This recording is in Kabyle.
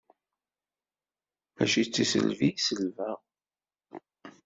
Mačči d tiselbi i selbeɣ.